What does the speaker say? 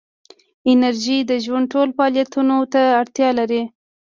انرژي د ژوند ټولو فعالیتونو ته اړتیا ده.